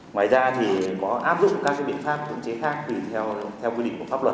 ngoài ra thì có áp dụng các biện pháp cưỡng chế khác tùy theo quy định của pháp luật